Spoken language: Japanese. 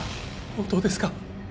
本当ですか！？